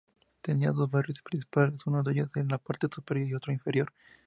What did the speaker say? Tenía dos barrios principales, uno de ellos en la parte superior y otro inferior.